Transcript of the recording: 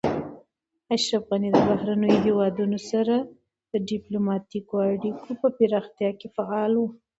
اشرف غني د بهرنیو هیوادونو سره د ډیپلوماتیکو اړیکو په پراختیا کې فعال و.